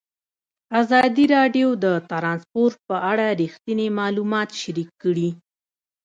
ازادي راډیو د ترانسپورټ په اړه رښتیني معلومات شریک کړي.